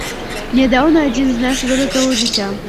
Нядаўна адзін з нас выратаваў дзіця.